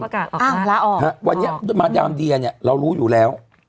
อ้าวมาลาออกฮะวันนี้มาดามเดียเนี่ยเรารู้อยู่แล้ว